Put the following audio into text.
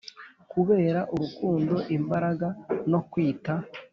kubera urukundo, imbaraga, no kwita,